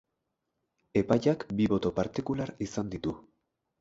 Epaiak bi boto partikular izan ditu.